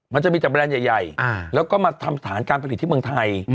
มันจะมีแต่แรนด์ใหญ่แล้วก็มาทำฐานการผลิตที่เมืองไทย